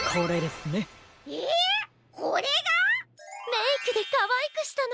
メイクでかわいくしたの。